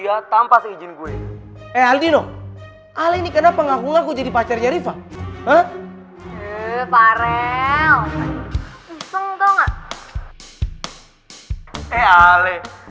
ya tanpa izin gue eh adino aleni kenapa ngaku ngaku jadi pacarnya riva ha ha parel